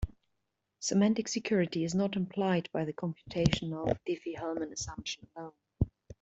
Semantic security is not implied by the computational Diffie-Hellman assumption alone.